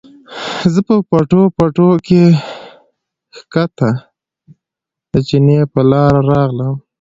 نو زۀ پۀ پټو پټو کښې ښکته د چینې پۀ لاره راغلم